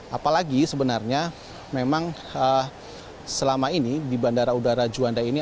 apalagi sebenarnya memang selama ini di bandara udara juanda ini